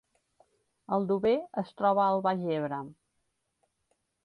Aldover es troba al Baix Ebre